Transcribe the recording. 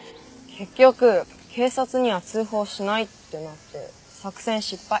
結局警察には通報しないってなって作戦失敗。